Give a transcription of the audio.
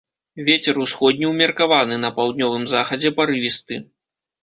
Вецер усходні ўмеркаваны, па паўднёвым захадзе парывісты.